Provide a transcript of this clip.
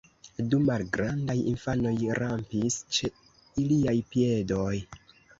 Du malgrandaj infanoj rampis ĉe iliaj piedoj.